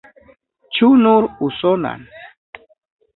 Ĉu nur usonan?